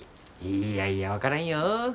いやいや分からんよ。